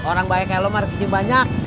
orang baik kayak lu mas kita banyak